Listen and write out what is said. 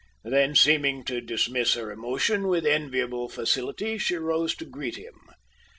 Then, seeming to dismiss her emotion with enviable facility, she rose to greet him.